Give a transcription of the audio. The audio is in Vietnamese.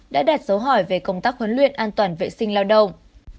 đã đạt dấu hỏi về công tác huấn luyện an toàn vệ sinh lao động